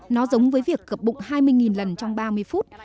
nó giống với việc cập bụng hai mươi lần trong ba mươi phút